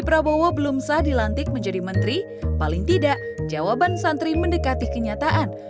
prabowo belum sah dilantik menjadi menteri paling tidak jawaban santri mendekati kenyataan